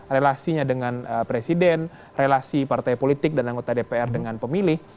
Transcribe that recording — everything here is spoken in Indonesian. relasinya dengan presiden relasi partai politik dan anggota dpr dengan pemilih